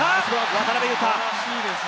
渡邊雄太。